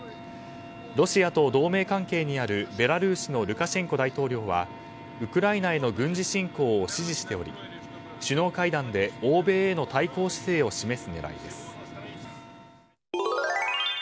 ロシアと同盟関係にあるベラルーシのルカシェンコ大統領はウクライナへの軍事侵攻を支持しており、首脳会談で欧米への対抗姿勢を示す狙いです。